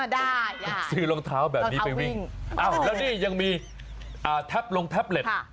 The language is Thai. ซื้อรองเท้าแบบนี้ไปวิ่งแล้วนี่ยังมีแท็ปลงแท็บเล็ต